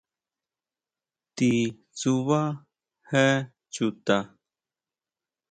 ¿Ti tsubá je chuta?